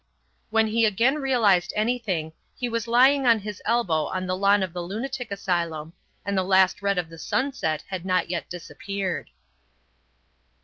When he again realized anything, he was lying on his elbow on the lawn of the lunatic asylum, and the last red of the sunset had not yet disappeared.